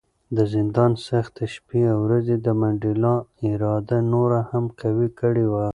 د زندان سختې شپې او ورځې د منډېلا اراده نوره هم قوي کړې وه.